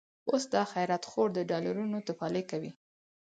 اوس دا خيرات خور، د ډالرونو تفالې کوي